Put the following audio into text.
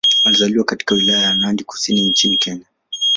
Alizaliwa katika Wilaya ya Nandi Kusini nchini Kenya.